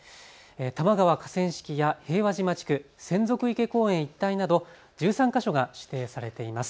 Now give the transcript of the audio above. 多摩川河川敷や平和島地区、洗足池公園一帯など１３か所が指定されています。